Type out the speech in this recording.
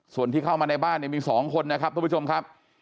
ส่วนที่เข้ามาในบ้านเนี่ยมี๒คนนะครับทุกผู้ชมครับ